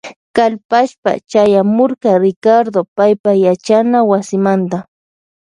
Kalpashpa chayamurka Ricardo paypa yachana wasimanta.